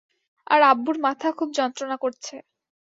আর আব্বুর মাথা খুব যন্ত্রণা করছে।